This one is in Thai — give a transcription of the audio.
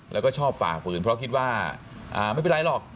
แล้วก็ชอบฝ่าฝืนเพราะคิดว่าไม่เป็นไรหรอก